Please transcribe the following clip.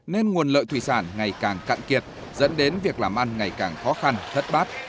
nên nguồn lợi thủy sản ngày càng cạn kiệt dẫn đến việc làm ăn ngày càng khó khăn thất bát